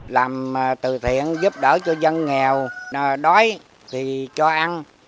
làm từ thiện giúp đỡ cho dân nghèo đói thì cho ăn